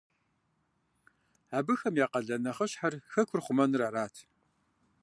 Абыхэм я къалэн нэхъыщхьэр хэкӀур хъумэныр арат.